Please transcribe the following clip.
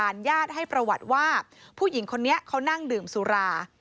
ญาติให้ประวัติว่าผู้หญิงคนนี้เขานั่งดื่มสุรา